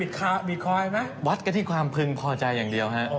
รัดกระทิความพึงก็รัดกระทิความพึงพอใจอย่างเดียว